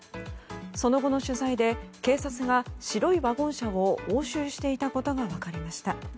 その後の取材で警察が白いワゴン車を押収していたことが分かりました。